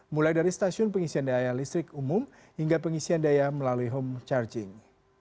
mulai dari stasiun pengisian daya listrik umum hingga pengisian daya melalui home charging